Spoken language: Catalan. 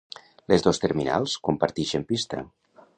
Les dos terminals compartixen pista.